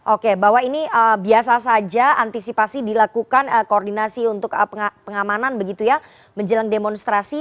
oke bahwa ini biasa saja antisipasi dilakukan koordinasi untuk pengamanan begitu ya menjelang demonstrasi